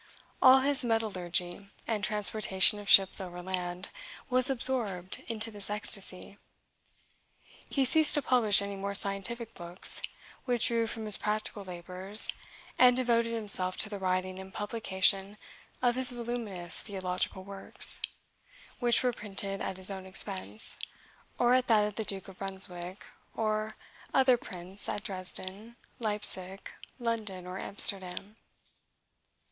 All his metallurgy, and transportation of ships overland, was absorbed into this ecstasy. He ceased to publish any more scientific books, withdrew from his practical labors, and devoted himself to the writing and publication of his voluminous theological works, which were printed at his own expense, or at that of the Duke of Brunswick, or other prince, at Dresden, Liepsic, London, or Amsterdam.